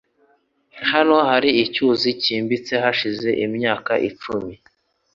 Hano hari icyuzi cyimbitse hashize imyaka icumi